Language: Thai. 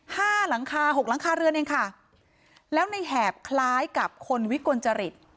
ห้าหลังคาหกหลังคาเรือนเองค่ะแล้วในแหบคล้ายกับคนวิกลจริต